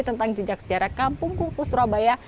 tentang jejak sejarah kampung kungku surabaya